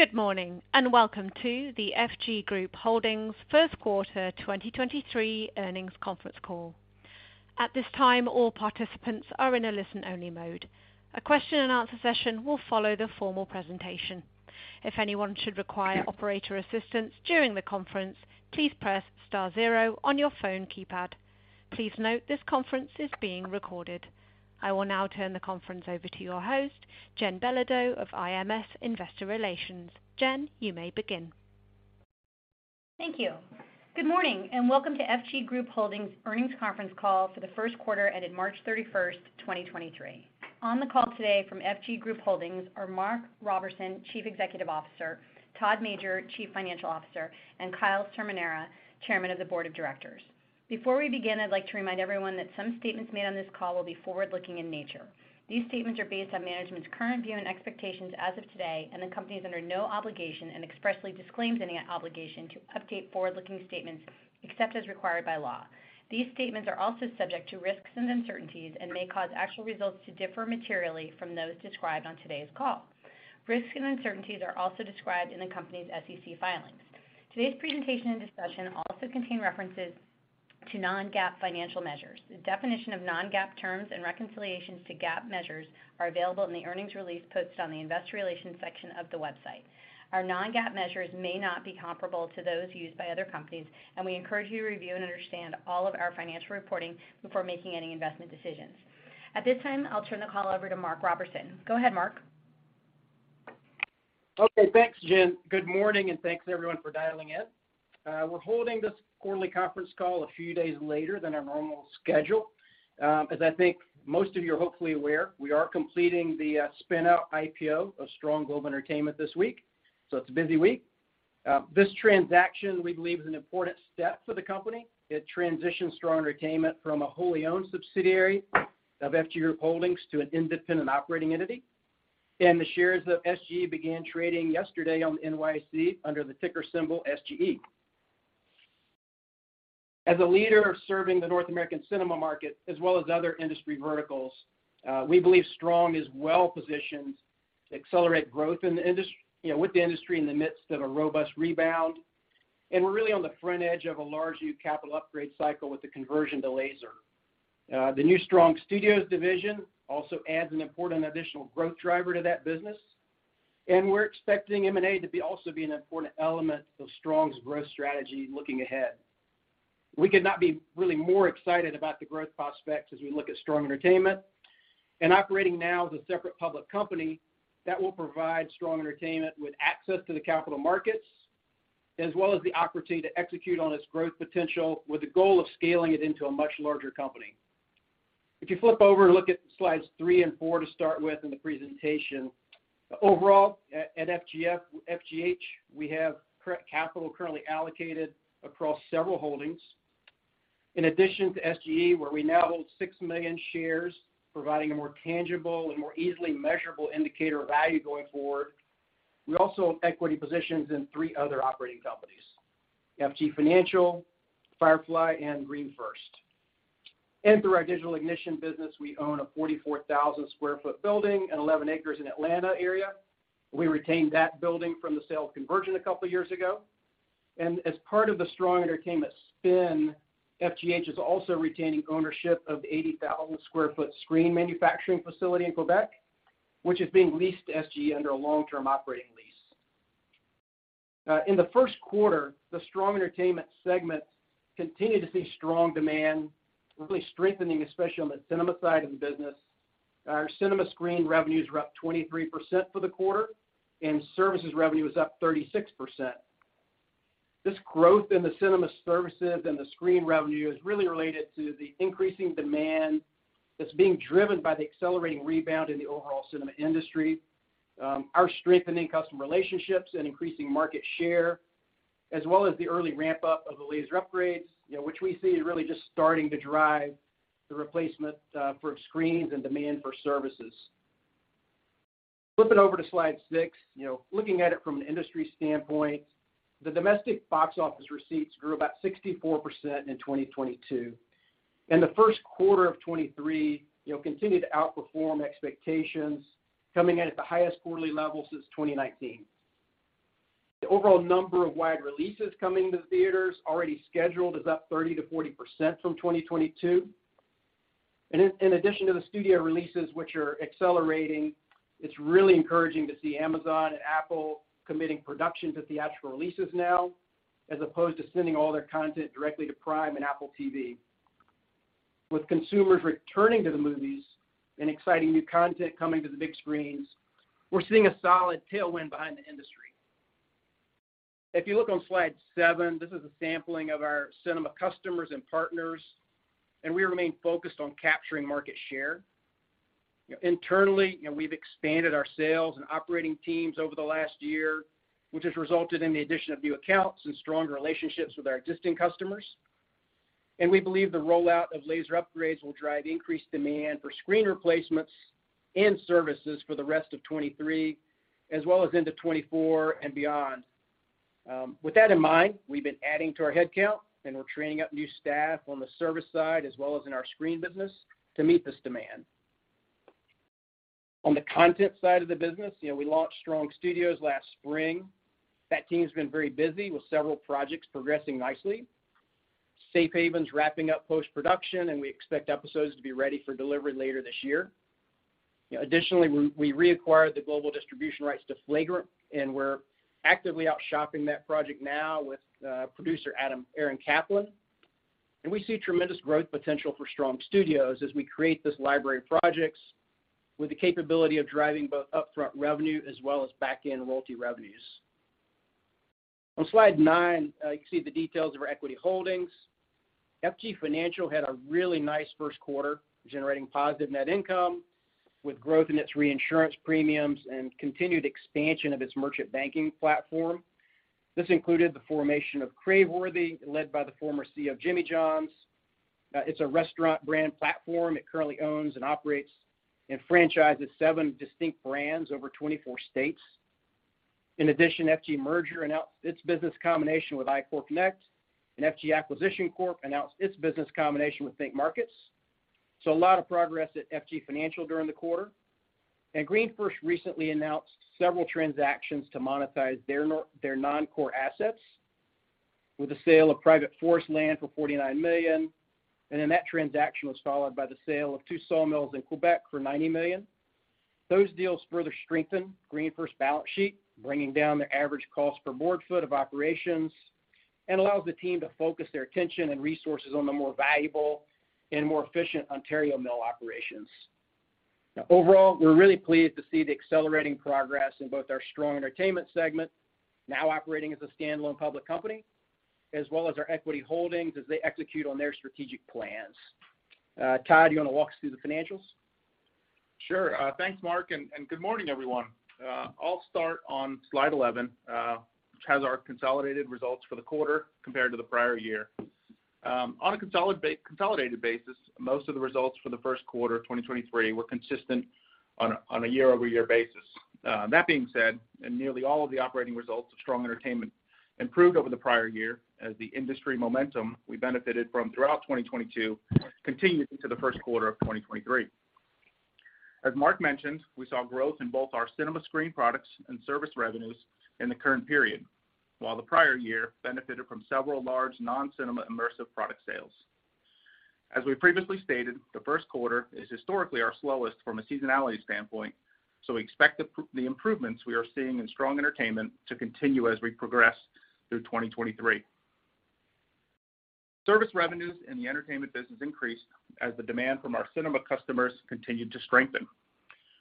Good morning, and welcome to the FG Group Holdings First Quarter 2023 Earnings Conference Call. At this time, all participants are in a listen-only mode. A question and answer session will follow the formal presentation. If anyone should require operator assistance during the conference, please press star zero on your phone keypad. Please note this conference is being recorded. I will now turn the conference over to your host, Jen Belodeau of IMS Investor Relations. Jen, you may begin. Thank you. Good morning, and welcome to FG Group Holdings earnings conference call for the first quarter ended March 31st, 2023. On the call today from FG Group Holdings are Mark Roberson, Chief Executive Officer, Todd Major, Chief Financial Officer, and Kyle Cerminara, Chairman of the Board of Directors. Before we begin, I'd like to remind everyone that some statements made on this call will be forward-looking in nature. These statements are based on management's current view and expectations as of today, and the company is under no obligation and expressly disclaims any obligation to update forward-looking statements except as required by law. These statements are also subject to risks and uncertainties and may cause actual results to differ materially from those described on today's call. Risks and uncertainties are also described in the company's SEC filings. Today's presentation and discussion also contain references to non-GAAP financial measures. The definition of non-GAAP terms and reconciliations to GAAP measures are available in the earnings release posted on the Investor Relations section of the website. Our non-GAAP measures may not be comparable to those used by other companies, and we encourage you to review and understand all of our financial reporting before making any investment decisions. At this time, I'll turn the call over to Mark Roberson. Go ahead, Mark. Okay, thanks, Jen. Good morning, and thanks everyone for dialing in. We're holding this quarterly conference call a few days later than our normal schedule. As I think most of you are hopefully aware, we are completing the spin-out IPO of Strong Global Entertainment this week, so it's a busy week. This transaction, we believe, is an important step for the company. It transitions Strong Entertainment from a wholly owned subsidiary of FG Group Holdings to an independent operating entity. The shares of SGE began trading yesterday on NYSE American under the ticker symbol SGE. As a leader serving the North American cinema market as well as other industry verticals, we believe Strong is well-positioned to accelerate growth with the industry in the midst of a robust rebound. We're really on the front edge of a large new capital upgrade cycle with the conversion to laser. The new Strong Studios division also adds an important additional growth driver to that business. We're expecting M&A to also be an important element of Strong's growth strategy looking ahead. We could not be really more excited about the growth prospects as we look at Strong Entertainment. Operating now as a separate public company, that will provide Strong Entertainment with access to the capital markets, as well as the opportunity to execute on its growth potential with the goal of scaling it into a much larger company. If you flip over, look at Slides 3 and 4 to start with in the presentation. Overall, at FGH, we have capital currently allocated across several holdings. In addition to SGE, where we now hold six million shares, providing a more tangible and more easily measurable indicator of value going forward, we also own equity positions in three other operating companies, FG Financial, Firefly, and GreenFirst. Through our Digital Ignition business, we own a 44,000 sq ft building and 11 acres in Atlanta area. We retained that building from the sale of Convergent a couple of years ago. As part of the Strong Entertainment spin, FGH is also retaining ownership of the 80,000 sq ft screen manufacturing facility in Quebec, which is being leased to SGE under a long-term operating lease. In the first quarter, the Strong Entertainment segment continued to see strong demand, really strengthening, especially on the cinema side of the business. Our cinema screen revenues were up 23% for the quarter, and services revenue was up 36%. This growth in the cinema services and the screen revenue is really related to the increasing demand that's being driven by the accelerating rebound in the overall cinema industry, our strengthening customer relationships and increasing market share, as well as the early ramp-up of the laser upgrades, you know, which we see really just starting to drive the replacement for screens and demand for services. Flipping over to Slide 6, you know, looking at it from an industry standpoint, the domestic box office receipts grew about 64% in 2022. The first quarter of 2023, you know, continued to outperform expectations, coming in at the highest quarterly level since 2019. The overall number of wide releases coming to theaters already scheduled is up 30%-40% from 2022. In addition to the Studio releases, which are accelerating, it's really encouraging to see Amazon and Apple committing productions of theatrical releases now, as opposed to sending all their content directly to Prime and Apple TV. With consumers returning to the movies and exciting new content coming to the big screens, we're seeing a solid tailwind behind the industry. If you look on Slide 7, this is a sampling of our cinema customers and partners, and we remain focused on capturing market share. Internally, you know, we've expanded our sales and operating teams over the last year, which has resulted in the addition of new accounts and stronger relationships with our existing customers. We believe the rollout of laser upgrades will drive increased demand for screen replacements and services for the rest of 2023 as well as into 2024 and beyond. With that in mind, we've been adding to our headcount, and we're training up new staff on the service side as well as in our screen business to meet this demand. On the content side of the business, you know, we launched Strong Studios last spring. That team's been very busy with several projects progressing nicely. Safehaven's wrapping up post-production, and we expect episodes to be ready for delivery later this year. Additionally, we reacquired the global distribution rights to Flagrant, and we're actively out shopping that project now with producer Aaron Kaplan. We see tremendous growth potential for Strong Studios as we create this library of projects with the capability of driving both upfront revenue as well as back-end royalty revenues. On Slide 9, you can see the details of our equity holdings. FG Financial had a really nice first quarter, generating positive net income with growth in its reinsurance premiums and continued expansion of its merchant banking platform. This included the formation of Craveworthy, led by the former CEO of Jimmy John's. It's a restaurant brand platform. It currently owns and operates and franchises seven distinct brands over 24 states. In addition, FG Merger announced its business combination with iCoreConnect, and FG Acquisition Corp announced its business combination with ThinkMarkets. A lot of progress at FG Financial during the quarter. GreenFirst recently announced several transactions to monetize their non-core assets with the sale of private forest land for $49 million, that transaction was followed by the sale of two sawmills in Quebec for $90 million. Those deals further strengthen GreenFirst's balance sheet, bringing down their average cost per board foot of operations and allows the team to focus their attention and resources on the more valuable and more efficient Ontario mill operations. Now overall, we're really pleased to see the accelerating progress in both our Strong Entertainment segment, now operating as a standalone public company, as well as our equity holdings as they execute on their strategic plans. Todd, do you wanna walk us through the financials? Sure. Thanks, Mark, and good morning, everyone. I'll start on Slide 11, which has our consolidated results for the quarter compared to the prior year. On a consolidated basis, most of the results for the first quarter of 2023 were consistent on a year-over-year basis. That being said, nearly all of the operating results of Strong Entertainment improved over the prior year as the industry momentum we benefited from throughout 2022 continued into the first quarter of 2023. As Mark mentioned, we saw growth in both our cinema screen products and service revenues in the current period, while the prior year benefited from several large non-cinema immersive product sales. As we previously stated, the first quarter is historically our slowest from a seasonality standpoint, so we expect the improvements we are seeing in Strong Entertainment to continue as we progress through 2023. Service revenues in the entertainment business increased as the demand from our cinema customers continued to strengthen.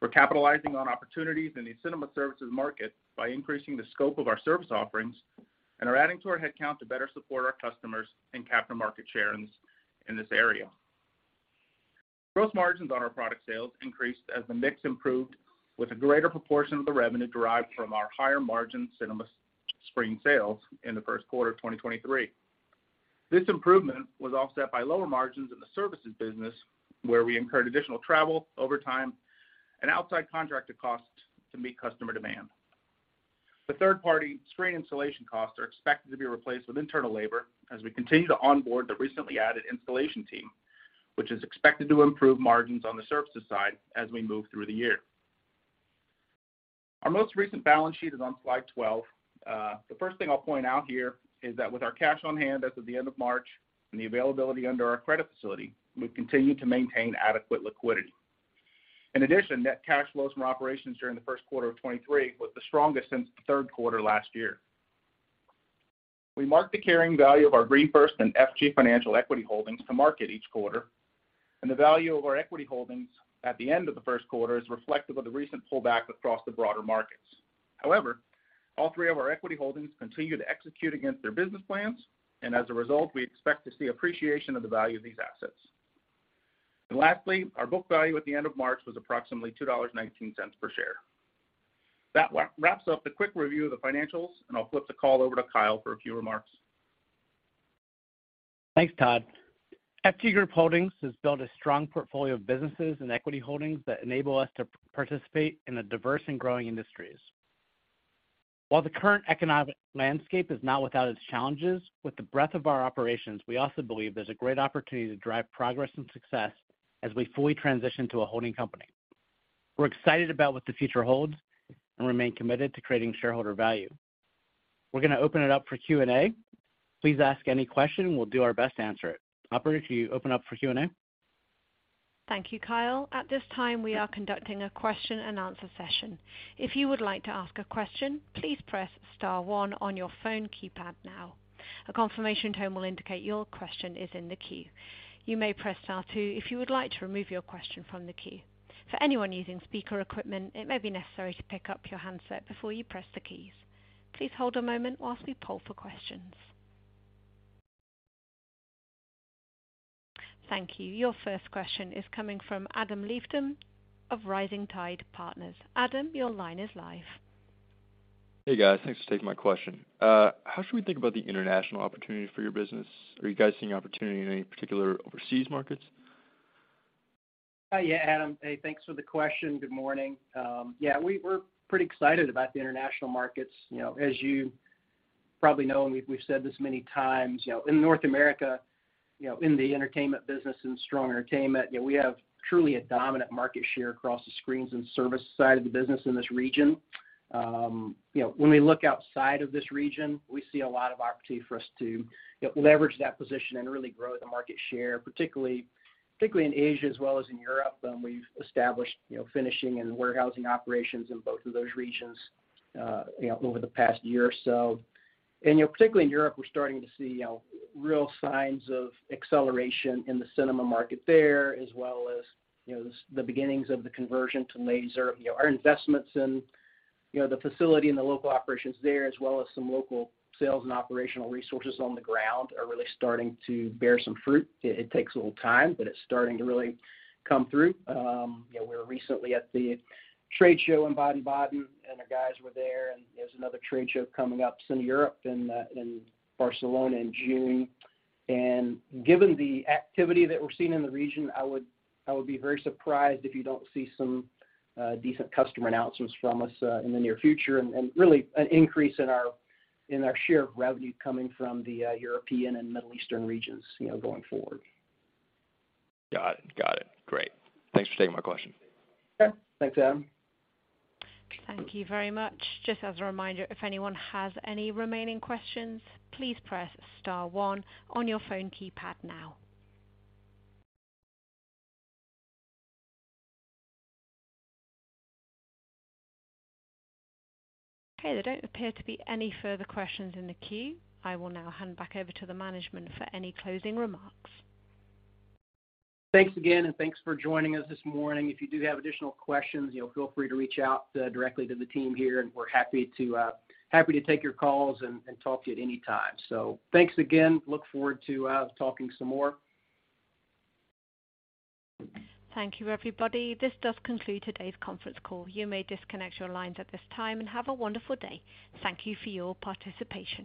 We're capitalizing on opportunities in the cinema services market by increasing the scope of our service offerings and are adding to our headcount to better support our customers and capture market share in this area. Gross margins on our product sales increased as the mix improved with a greater proportion of the revenue derived from our higher margin cinema screen sales in the first quarter of 2023. This improvement was offset by lower margins in the services business, where we incurred additional travel, overtime, and outside contracted costs to meet customer demand. The third-party screen installation costs are expected to be replaced with internal labor as we continue to onboard the recently added installation team, which is expected to improve margins on the services side as we move through the year. Our most recent balance sheet is on Slide 12. The first thing I'll point out here is that with our cash on hand as of the end of March and the availability under our credit facility, we've continued to maintain adequate liquidity. Net cash flows from operations during the first quarter of 2023 was the strongest since the third quarter last year. We mark the carrying value of our GreenFirst and FG Financial equity holdings to market each quarter, and the value of our equity holdings at the end of the first quarter is reflective of the recent pullback across the broader markets. However, all three of our equity holdings continue to execute against their business plans, and as a result, we expect to see appreciation of the value of these assets. Lastly, our book value at the end of March was approximately $2.19 per share. That wraps up the quick review of the financials, and I'll flip the call over to Kyle for a few remarks. Thanks, Todd. FG Group Holdings has built a strong portfolio of businesses and equity holdings that enable us to participate in the diverse and growing industries. While the current economic landscape is not without its challenges, with the breadth of our operations, we also believe there's a great opportunity to drive progress and success as we fully transition to a holding company. We're excited about what the future holds and remain committed to creating shareholder value. We're gonna open it up for Q&A. Please ask any question, and we'll do our best to answer it. Operator, can you open up for Q&A? Thank you, Kyle. At this time, we are conducting a question-and-answer session. If you would like to ask a question, please press star one on your phone keypad now. A confirmation tone will indicate your question is in the queue. You may press star two if you would like to remove your question from the queue. For anyone using speaker equipment, it may be necessary to pick up your handset before you press the keys. Please hold a moment whilst we poll for questions. Thank you. Your first question is coming from [Adam Leifton] of Rising Tide Partners. Adam, your line is live. Hey, guys. Thanks for taking my question. How should we think about the international opportunity for your business? Are you guys seeing opportunity in any particular overseas markets? Oh, yeah, Adam. Hey, thanks for the question. Good morning. Yeah, we're pretty excited about the international markets. You know, as you probably know, and we've said this many times, you know, in North America, you know, in the entertainment business and Strong Global Entertainment, you know, we have truly a dominant market share across the screens and service side of the business in this region. You know, when we look outside of this region, we see a lot of opportunity for us to, you know, leverage that position and really grow the market share, particularly in Asia as well as in Europe, we've established, you know, finishing and warehousing operations in both of those regions, you know, over the past year or so. Particularly in Europe, we're starting to see, you know, real signs of acceleration in the cinema market there, as well as, you know, the beginnings of the conversion to laser. You know, our investments in, you know, the facility and the local operations there, as well as some local sales and operational resources on the ground, are really starting to bear some fruit. It takes a little time, but it's starting to really come through. You know, we were recently at the trade show in Baden-Baden, and our guys were there, and there's another trade show coming up in Europe, in Barcelona in June. Given the activity that we're seeing in the region, I would be very surprised if you don't see some decent customer announcements from us in the near future, and really an increase in our share of revenue coming from the European and Middle Eastern regions, you know, going forward. Got it. Great. Thanks for taking my question. Sure. Thanks, Adam. Thank you very much. Just as a reminder, if anyone has any remaining questions, please press star one on your phone keypad now. Okay, there don't appear to be any further questions in the queue. I will now hand back over to the management for any closing remarks. Thanks again, and thanks for joining us this morning. If you do have additional questions, you know, feel free to reach out, directly to the team here and we're happy to take your calls and talk to you at any time. Thanks again. Look forward to talking some more. Thank you, everybody. This does conclude today's conference call. You may disconnect your lines at this time and have a wonderful day. Thank you for your participation.